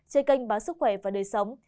trên kênh bán sức khỏe và đời sống